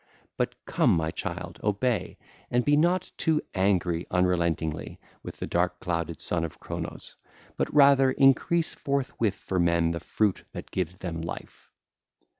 But come, my child, obey, and be not too angry unrelentingly with the dark clouded Son of Cronos; but rather increase forthwith for men the fruit that gives them life.